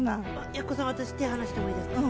やっこさん私手離してもいいですか？